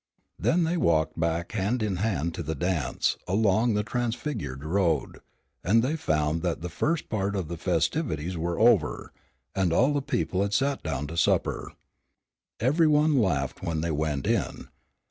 Then they walked back hand in hand to the dance along the transfigured road, and they found that the first part of the festivities were over, and all the people had sat down to supper. Every one laughed when they went in.